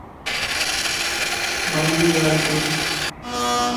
مانجي ڳال ٻڌ